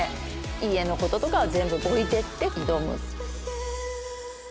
家のこととかは全部置いてってと思う。